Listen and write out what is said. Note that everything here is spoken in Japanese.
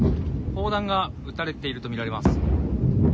砲弾が撃たれていると見られます。